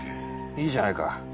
いいじゃないか。